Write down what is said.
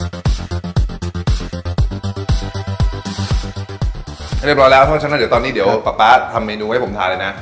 เรียบร้อยแล้วเพราะฉะนั้นเดี๋ยวตอนนี้เดี๋ยวป๊าป๊าทำเมนูให้ผมทานเลยนะ